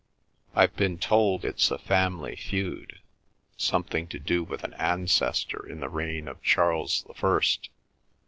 I've been told it's a family feud—something to do with an ancestor in the reign of Charles the First.